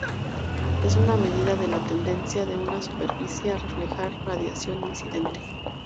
Es una medida de la tendencia de una superficie a reflejar radiación incidente.